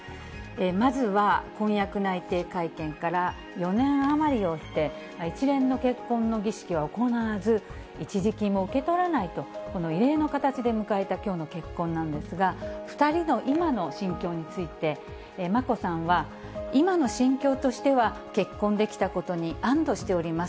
まずは、婚約内定会見から４年余りを経て、一連の結婚の儀式は行わず、一時金も受け取らないと、この異例の形で迎えたきょうの結婚なんですが、２人の今の心境について、眞子さんは、今の心境としては、結婚できたことに安どしております。